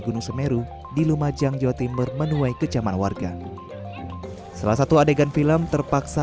gunung semeru di lumajang jawa timur menuai kecaman warga salah satu adegan film terpaksa